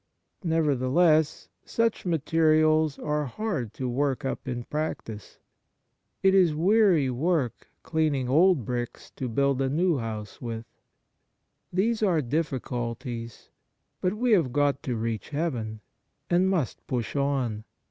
Never theless, such materials are hard to work up in practice. It is weary work cleaning old bricks to build a new house with. These are difficulties, but we have got to reach heaven, and must push on.